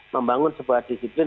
membangun sebuah disiplin